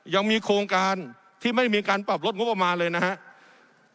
ยังมีโครงการที่ไม่มีการปรับลดงบประมาณเลยนะครับ